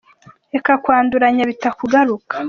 Reka kwanduranya bitakugaruka.